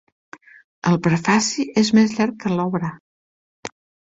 El prefaci és més llarg que l'obra.